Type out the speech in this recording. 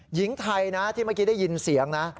หญิงไทยนะที่เมื่อกี้ได้ยินเสียงนะ